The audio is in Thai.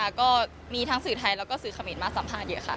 แล้วก็มีทั้งสื่อไทยแล้วก็สื่อเขมรมาสัมภาษณ์เยอะค่ะ